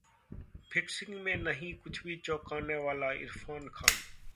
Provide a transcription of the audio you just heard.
fixing में नहीं कुछ भी चौंकाने वालाः इरफान खान